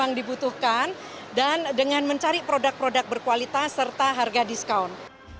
yang dibutuhkan dan dengan mencari produk produk berkualitas serta harga diskaun